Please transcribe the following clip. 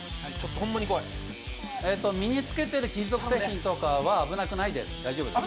身に着けている金属製品とかは危なくないです、大丈夫です。